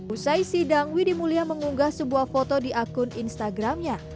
usai sidang widhi mulia mengunggah sebuah foto di akun instagramnya